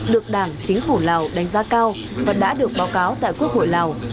được đảng chính phủ lào đánh giá cao và đã được báo cáo tại quốc hội lào